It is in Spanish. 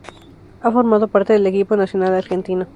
Ha formado parte del equipo nacional argentino.